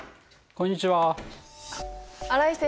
こんにちは。